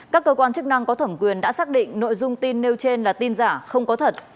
các cơ quan chức năng có thẩm quyền đã xác định nội dung tin nêu trên là tin giả không có thật